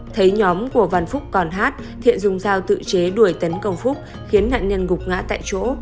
thấy nhóm của văn phúc còn hát thiện dùng dao tự chế đuổi tấn công phúc khiến nạn nhân gục ngã tại chỗ